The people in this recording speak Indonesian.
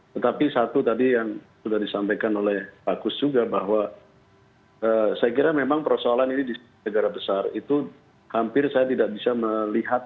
tetapi satu tadi yang sudah disampaikan oleh pak kus juga bahwa saya kira memang persoalan ini di negara besar itu hampir saya tidak bisa melihat